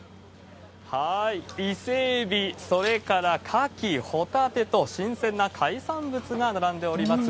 イセエビ、それからカキ、ホタテと、新鮮な海産物が並んでおります。